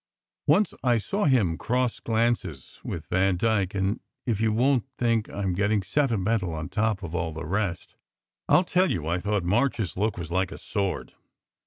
"Once I saw him cross glances with Vandyke, and if you won t think I m getting sentimental on top of all the rest, I ll tell you I thought March s look was like a sword.